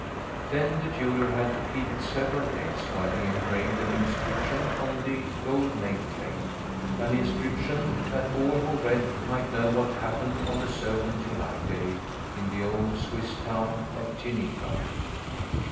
Then the jeweller had to keep it several days while he engraved an inscription on the gold name plate an inscription that all who read might know what happened on a certain July day in the old Swiss town of Geneva.